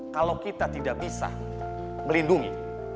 kalau kita tidak bisa melindungi